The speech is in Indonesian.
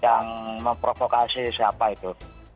yang memprovokasi siapa itu